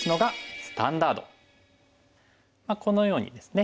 このようにですね